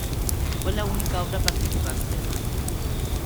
Fue la única obra participante.